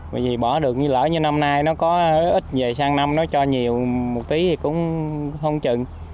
bởi vì bỏ được nghi lễ như năm nay nó có ít về sang năm nó cho nhiều một tí thì cũng không chừng